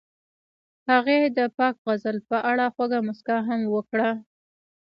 هغې د پاک غزل په اړه خوږه موسکا هم وکړه.